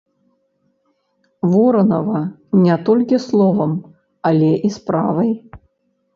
Воранава не толькі словам, але і справай.